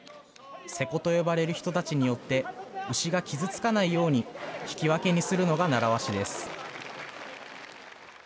勢子と呼ばれる人たちによって、牛が傷つかないように引き分けにするのがならわしです。